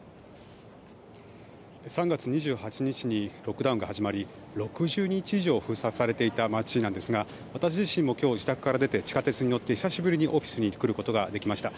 ３月２８日にロックダウンが始まり６０日以上封鎖されていた街なんですが私自身も今日自宅から出て地下鉄に乗って久しぶりにオフィスに来ることができました。